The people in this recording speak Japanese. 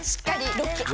ロック！